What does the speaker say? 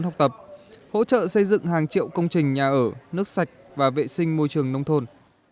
hỗ trợ xây dựng hàng triệu công trình nhà ở nước sạch và vệ sinh môi trường nông thôn